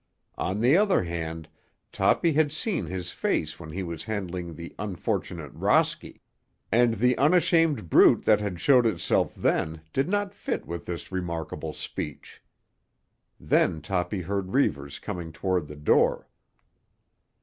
On the other hand, Toppy had seen his face when he was handling the unfortunate Rosky, and the unashamed brute that had showed itself then did not fit with this remarkable speech. Then Toppy heard Reivers coming toward the door.